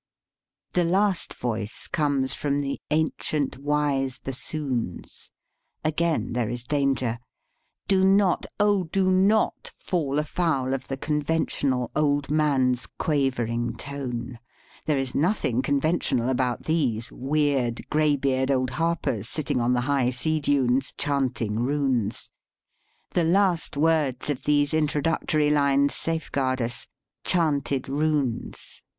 The last voice comes from the "ancient wise bassoons." Again there is danger. Do not, oh! do not fall afoul of the conventional old man's quavering tone. There is nothing conventional about these " weird, gray beard old harpers sitting on the high sea dunes," chanting runes. The last words of these introductory lines safeguard us "chanted runes."